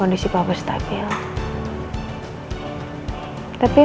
jangan direct lagi